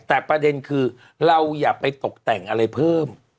แต่ประเด็นคือเราอย่าไปตกแต่งอะไรเพิ่ม